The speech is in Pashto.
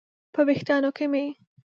په ویښتانو کې مې